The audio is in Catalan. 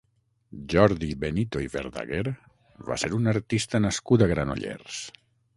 Jordi Benito i Verdaguer va ser un artista nascut a Granollers.